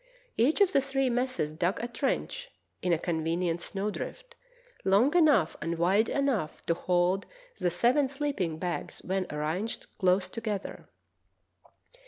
Each of the three messes dug a trench, in a convenient snow drift, long enough and wide enough to hold the seven sleeping bags when arranged close together.